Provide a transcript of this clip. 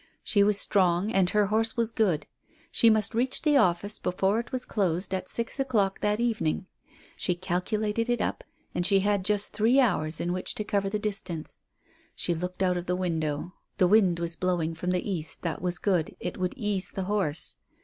She was strong and her horse was good. She must reach the office before it was closed at six o'clock that evening. She calculated it up; she had just three hours in which to cover the distance. She looked out of the window. The wind was blowing from the east; that was good, it would ease the horse.